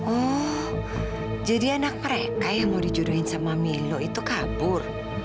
oh jadi anak mereka yang mau dijuruhin sama milo itu kabur